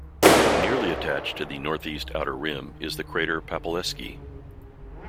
Nearly attached to the northeast outer rim is the crater Papaleksi.